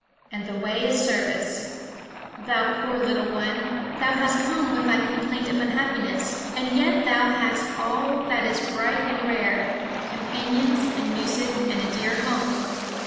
"And the way is Service. "Thou poor little one! Thou hast come with thy complaint of unhappiness; and yet thou hast all that is bright and rare; companions, and music, and a dear home.